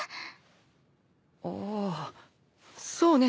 ああそうね